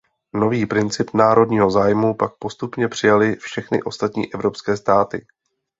Nový princip národního zájmu pak postupně přijaly všechny ostatní evropské státy.